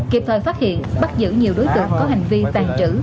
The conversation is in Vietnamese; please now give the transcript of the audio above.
kịp thời phát hiện bắt giữ nhiều đối tượng có hành vi tàn trữ